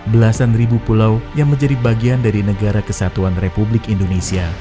belasan ribu pulau yang menjadi bagian dari negara kesatuan republik indonesia